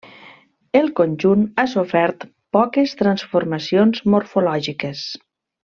El conjunt ha sofert poques transformacions morfològiques.